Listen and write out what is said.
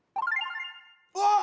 うわっ！